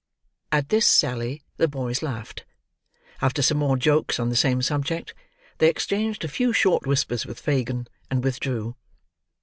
At this sally, the boys laughed. After some more jokes on the same subject, they exchanged a few short whispers with Fagin; and withdrew.